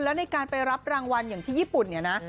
แล้วในการไปรับรางวัลอย่างที่ญี่ปุ่นเนี่ยนะ